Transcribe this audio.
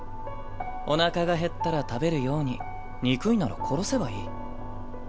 おなかが減ったら食べるように憎いなら殺せばいい。